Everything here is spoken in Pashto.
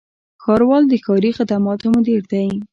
ښاروال د ښاري خدماتو مدیر دی